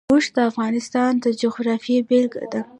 اوښ د افغانستان د جغرافیې بېلګه ده.